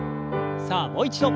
さあもう一度。